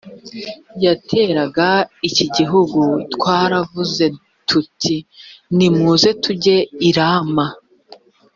yateraga iki gihugu twaravuze tuti nimuze tujye i rama